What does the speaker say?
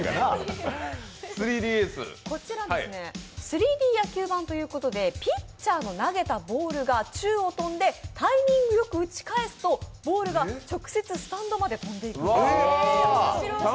こちら３Ｄ野球盤ということでピッチャーの投げたボールが宙を飛んで、タイミングよく打ち返すとボールが直接スタンドまで飛んでいきます。